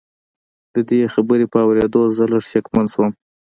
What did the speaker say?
د دې خبرې په اورېدو زه لږ موسک شوم